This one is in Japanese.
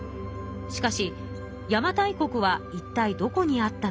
しかし邪馬台国はいったいどこにあったのか。